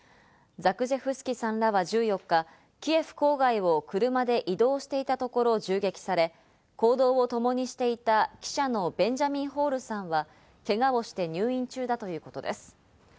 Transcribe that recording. ザクジェフスキさんらは１４日、キエフ郊外を車で移動していたところを銃撃され、行動を共にしていた記者のベンジャミン・ホールさんはけがをして入院中だということです。